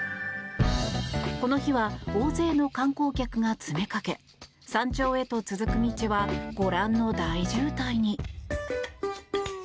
この日は大勢の観光客が詰めかけ山頂へと続く道はご覧の大渋滞に。